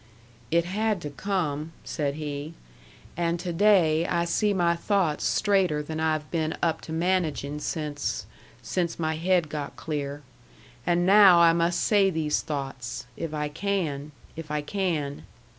"It had to come," said he. "And to day I see my thoughts straighter than I've been up to managing since since my haid got clear. And now I must say these thoughts if I can, if I can!"